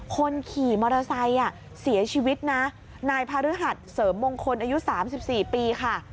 คนขี่มอเตอร์ไซค์เสียชีวิตนะนายพาฤหัสเสริมมงคลอายุ๓๔ปีค่ะ